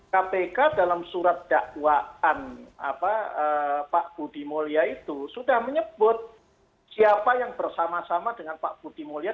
kpk dalam surat dakwaan pak budi mulya itu sudah menyebut siapa yang bersama sama dengan pak budi mulya